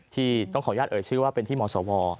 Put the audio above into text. ที่ต้องขออนุญาตเอ่ยชื่อว่าเป็นที่มสว